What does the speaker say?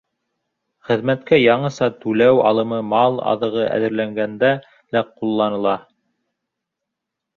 Хеҙмәткә яңыса түләү алымы мал аҙығы әҙерләгәндә лә ҡулланыла.